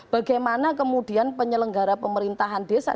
bagaimana kemudian penyelenggara pemerintahan desa